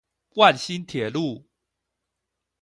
萬新鐵路